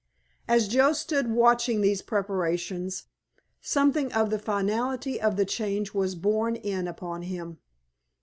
As Joe stood watching these preparations something of the finality of the change was borne in upon him.